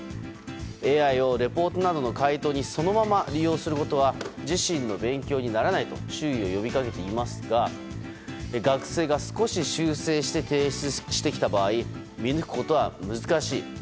ＡＩをレポートなどの解答にそのまま利用することは自身の勉強にならないと注意を呼びかけていますが学生が少し修正して提出してきた場合見抜くことは難しい。